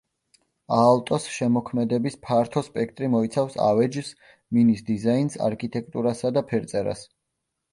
აალტოს შემოქმედების ფართო სპექტრი მოიცავს ავეჯს, მინის დიზაინს, არქიტექტურასა და ფერწერას.